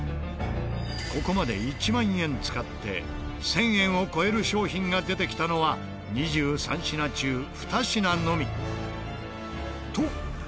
ここまで１万円使って１０００円を超える商品が出てきたのは２３品中２品のみ。